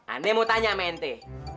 aneh mau tanya sama ente